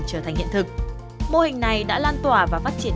trở thành hiện thực mô hình này đã lan tỏa và phát triển